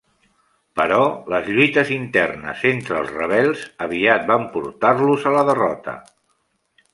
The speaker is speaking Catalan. Però les lluites internes entre els rebels aviat van portar-los la derrota.